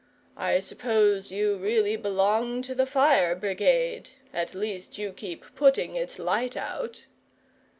I suppose you really belong to the fire brigade; at least, you keep putting its light out."